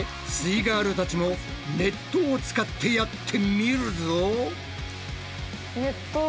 イガールたちも熱湯を使ってやってみるぞ！